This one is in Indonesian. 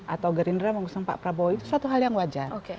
atau gerindra mengusung pak prabowo itu suatu hal yang wajar